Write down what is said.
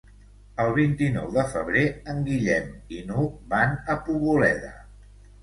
El vint-i-nou de febrer en Guillem i n'Hug van a Poboleda.